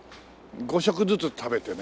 ５食ずつ食べてね。